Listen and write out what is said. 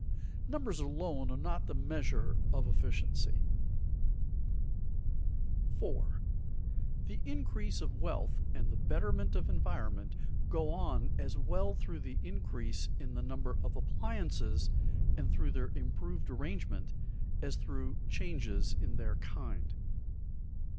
Numbers alone are not the measure of efficiency. [Sidenote: Increasing number and better grouping of agents] 4. _The increase of wealth and the betterment of environment go on as well through the increase in the number of appliances and through their improved arrangement, as through changes in their kind.